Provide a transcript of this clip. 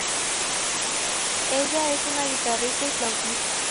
Ella es una guitarrista y flautista.